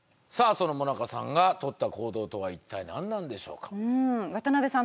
そのもなかさんがとった行動とは一体何なんでしょうか渡邉さん